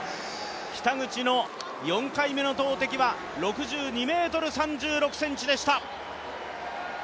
北口の４回目の投てきは６２ｍ３６ｃｍでした。